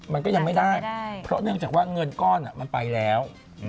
มันก็ยังไม่ได้เพราะเนื่องจากว่าเงินก้อนมันไปแล้ว